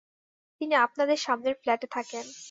তিনি আপনাদের সামনের ফ্ল্যাটে থাকেন।